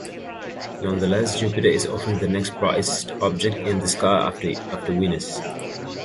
Nonetheless, Jupiter is often the next brightest object in the sky after Venus.